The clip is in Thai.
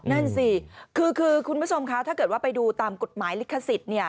นั่นสิคือคุณผู้ชมคะถ้าเกิดว่าไปดูตามกฎหมายลิขสิทธิ์